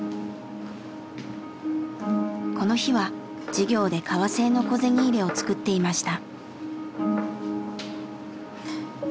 この日は授業で革製の小銭入れを作っていました。